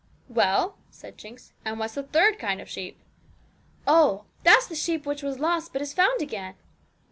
'Well,' said Jinx, 'and what's the third kind of sheep?' 'Oh, that's the sheep which was lost, but is found again!'